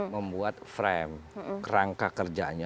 membuat frame rangka kerjanya